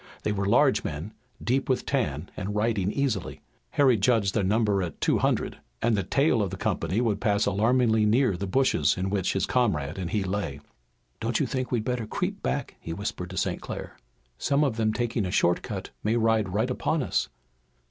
They were large men, deep with tan and riding easily. Harry judged their number at two hundred, and the tail of the company would pass alarmingly near the bushes in which his comrade and he lay. "Don't you think we'd better creep back?" he whispered to St. Clair. "Some of them taking a short cut may ride right upon us."